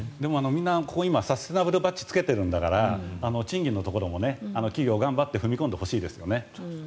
みんなここにサステイナブルバッジをつけているんだから賃金のところも企業、頑張って踏み込んでほしいですね。